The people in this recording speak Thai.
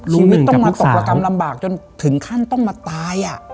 ชีวิตต้องมาตกระกรรมลำบากจนถึงขั้นต้องมาตาย